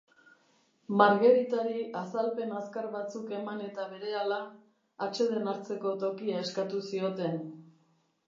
Margheritari azalpen azkar batzuk eman eta berehala, atseden hartzeko tokia eskatu zioten.